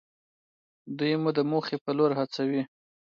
دوی مو د موخې په لور هڅوي.